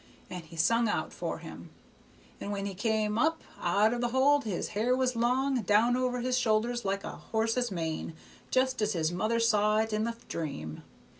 And he sung out for him, and when he come up out of the hold his hair was long, down over his shoulders like a horse's mane, just as his mother saw it in the dream.